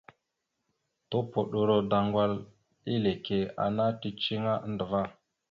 Tupoɗoro daŋgwal eleke ana ticiŋa andəva.